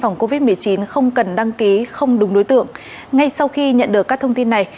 phòng covid một mươi chín không cần đăng ký không đúng đối tượng ngay sau khi nhận được các thông tin này